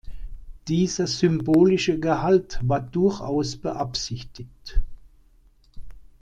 Dieser symbolische Gehalt war durchaus beabsichtigt.